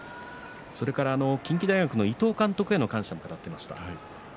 近畿大学の伊東監督への感謝も語っていました。